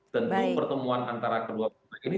tentu pertemuan antara kedua partai ini